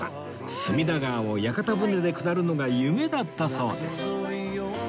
隅田川を屋形船で下るのが夢だったそうです